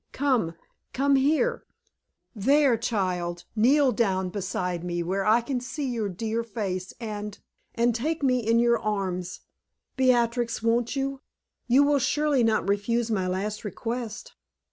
"Come come here. There, child, kneel down beside me where I can see your dear face; and and take me in your arms, Beatrix, won't you? You will surely not refuse my last request?"